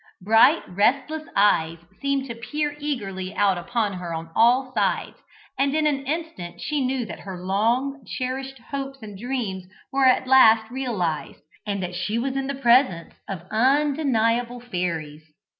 Bright restless eyes seemed to peer eagerly out upon her on all sides, and in an instant she knew that her long cherished hopes and dreams were at last realized, and that she was in the presence of undeniable fairies.